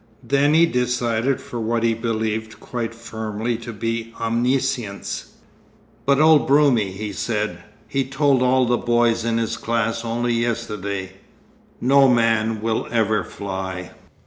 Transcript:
Then he decided for what he believed quite firmly to be omniscience. 'But old Broomie,' he said, 'he told all the boys in his class only yesterday, "no man will ever fly."